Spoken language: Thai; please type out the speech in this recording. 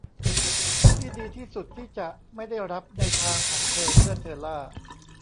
ที่ดีที่สุดที่จะไม่ได้รับในทางของเธอเมื่อเธอล่า